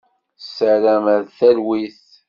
Tessaram ar talwit.